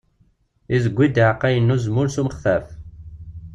Izewwi-d iɛeqqayen n uzemmur s umextaf.